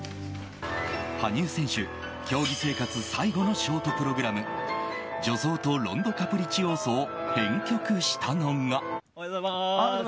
羽生選手、競技生活最後のショートプログラム「序奏とロンド・カプリチオーソ」を編曲したのが。